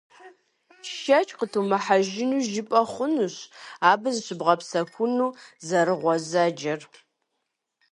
Шэч къытумыхьэжу жыпӀэ хъунущ абы зыщыбгъэпсэхуну зэрыгъуэзэджэр.